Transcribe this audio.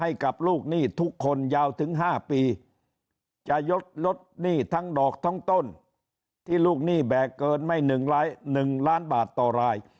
ให้กับลูกหนี้ทุกคนยาวถึง๕ปีจะยดลดหนี้ทั้งดอกทั้งต้นที่ลูกหนี้แบกเกินไม่๑ล้านบาทต่อราย